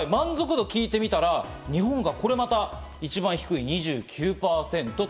聞いてみたら、日本がこれまた一番低い２９％。